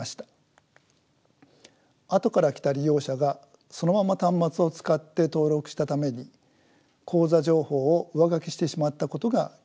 後から来た利用者がそのまま端末を使って登録したために口座情報を上書きしてしまったことが原因です。